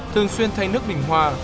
thường xuyên thay nước bình hoa